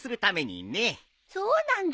そうなんだ！